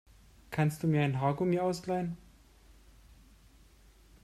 Kannst du mir ein Haargummi ausleihen?